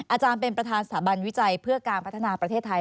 อาจารย์เป็นประธานสถาบันวิจัยเพื่อการพัฒนาประเทศไทย